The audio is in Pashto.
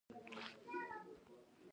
د کلام خلاصه دا ده،